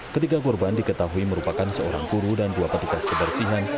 ketiga korban diketahui merupakan seorang guru dan dua petugas kebersihan